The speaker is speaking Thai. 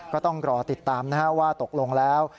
ก็ต้องรอติดตามนะฮะว่าตกลงแล้ว